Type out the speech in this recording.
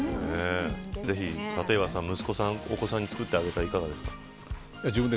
ぜひ、立岩さん、お子さんに作ってあげてはいかがですか。